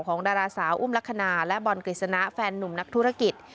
ดาราสาวอุ้มลักษณะและบอลกฤษณะแฟนนุ่มนักธุรกิจ